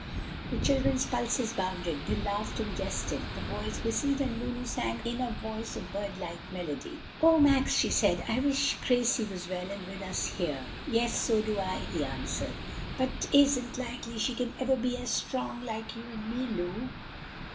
The children's pulses bounded, they laughed and jested; the boys whistled and Lulu sang in a voice of birdlike melody. "O Max," she said, "I wish Gracie was well and with us here!" "Yes, so do I," he answered; "but 'tisn't likely she can ever be strong like you and me, Lu."